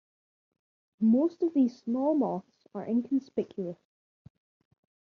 Most of these small moths are inconspicuous.